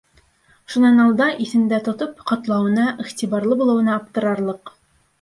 Шунан алда, иҫендә тотоп, ҡотлауына, иғтибарлы булыуына аптырарлыҡ.